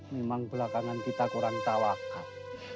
memang belakangan kita kurang tawakat